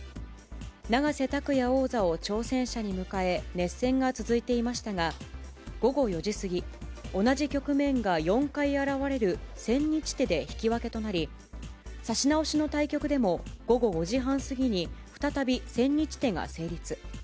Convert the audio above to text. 永瀬拓矢王座を挑戦者に迎え、熱戦が続いていましたが、午後４時過ぎ、同じ局面が４回現れる千日手で引き分けとなり、指し直しの対局でも午後５時半過ぎに再び、千日手が成立。